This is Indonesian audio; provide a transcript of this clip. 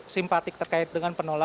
simpatik terkait dengan penolakan